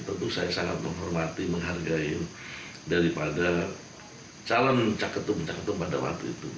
tentu saya sangat menghormati menghargai daripada calon caketum caketum pada waktu itu